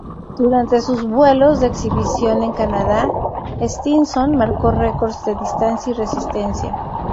Durante sus vuelos de exhibición en Canadá, Stinson marcó records de distancia y resistencia.